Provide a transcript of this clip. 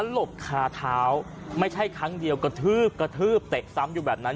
หลบคาเท้าไม่ใช่ครั้งเดียวกระทืบกระทืบเตะซ้ำอยู่แบบนั้น